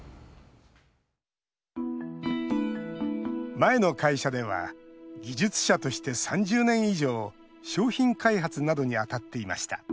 前の会社では技術者として、３０年以上商品開発などに当たっていました。